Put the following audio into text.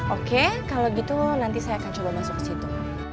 oke kalau gitu nanti saya akan coba masuk ke situ